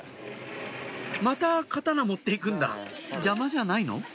また刀持って行くんだ邪魔じゃないの？